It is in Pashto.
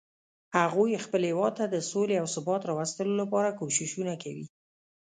هغوی خپل هیواد ته د صلحې او ثبات راوستلو لپاره کوښښونه کوي